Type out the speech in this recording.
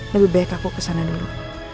lebih baik aku kesana dulu